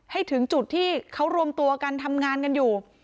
ให้ถึงจุดที่เขารวมตัวกันทำงานกันอยู่